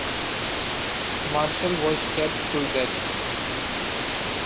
Marshal, was stabbed to death.